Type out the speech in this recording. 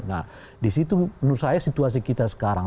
nah disitu menurut saya situasi kita sekarang